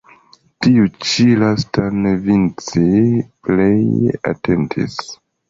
Tiun ĉi lastan Vinci pleje atentis.